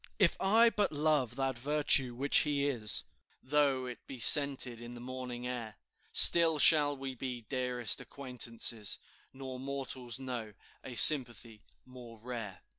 "If I but love that virtue which he is, Though it be scented in the morning air, Still shall we be dearest acquaintances, Nor mortals know a sympathy more rare."